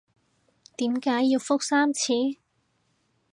點解要覆三次？